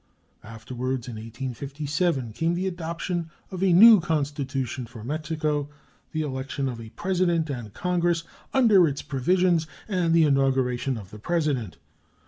Afterwards, in 1857, came the adoption of a new constitution for Mexico, the election of a President and Congress under its provisions, and the inauguration of the President.